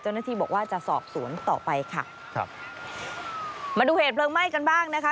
เจ้าหน้าที่บอกว่าจะสอบสวนต่อไปค่ะครับมาดูเหตุเพลิงไหม้กันบ้างนะคะ